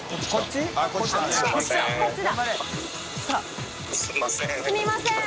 水卜）すみません！